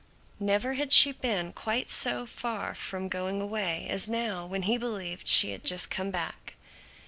Never had she been quite so far from going away as now when he believed she had just come back.